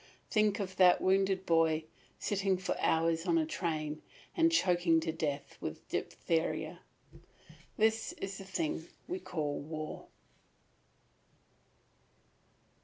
Think of that wounded boy, sitting for hours in a train, and choking to death with diphtheria. This is the thing we call war.